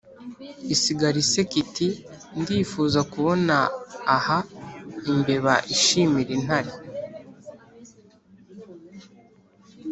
isigara iseka, iti « ndifuza kubona aha imbeba ishimira intare.